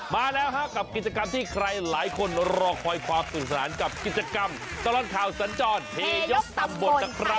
มาแล้วฮะกับกิจกรรมที่ใครหลายคนรอคอยความสนุกสนานกับกิจกรรมตลอดข่าวสัญจรเทยกตำบลนะครับ